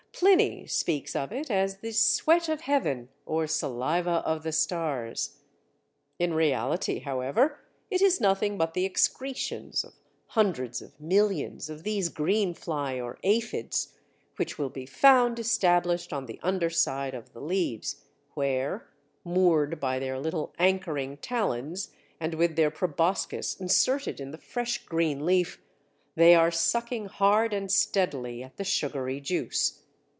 Pliny speaks of it as the "sweat of heaven" or "saliva of the stars." In reality, however, it is nothing but the excretions of hundreds of millions of these green fly or aphides, which will be found established on the under side of the leaves, where, moored by their little anchoring talons and with their proboscis inserted in the fresh green leaf, they are sucking hard and steadily at the sugary juice.